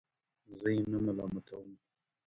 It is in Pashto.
زه یې نه ملامتوم.